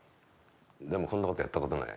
でもそんなことやったことない。